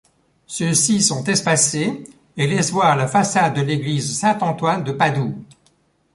Ceux-ci sont espacés et laissent voir la façade de l'église Saint Antoine de Padoue.